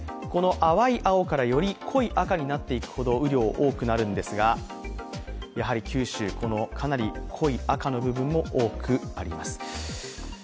淡い青からより濃い赤になっていくほど雨量が多くなるんですが、九州、かなり濃い赤の部分も多くあります。